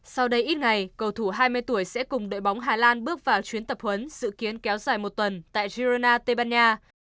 sau đây ít ngày cầu thủ hai mươi tuổi sẽ cùng đội bóng hà lan bước vào chuyến tập huấn dự kiến kéo dài một tuần tại girona tây ban nha